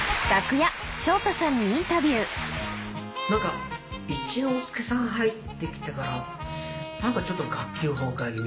何か一之輔さんが入ってきてから何かちょっと学級崩壊気味なんだよな。